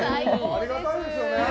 ありがたいですよね。